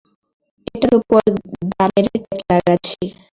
এটার ওপর দামের ট্যাগ লাগাচ্ছি।